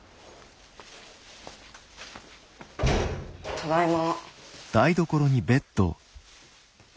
ただいま。